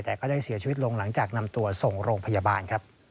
แต่ก็ได้เสียชีวิตลงหลังจากนำตัวส่งโรงพยาบาลครับ